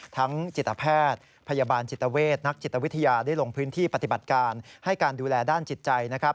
จิตแพทย์พยาบาลจิตเวทนักจิตวิทยาได้ลงพื้นที่ปฏิบัติการให้การดูแลด้านจิตใจนะครับ